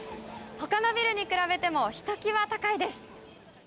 他のビルに比べてもひときわ高いです。